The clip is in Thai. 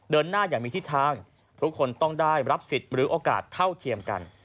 เดินหน้าอย่างมีทิศทางทุกคนต้องได้รับสิทธิ์หรือโอกาสเท่าเทียมกัน